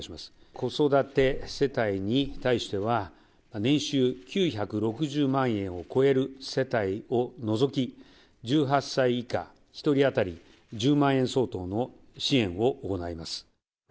子育て世帯に対しては、年収９６０万円を超える世帯を除き、１８歳以下１人当たり１０万円相当の支援を行います。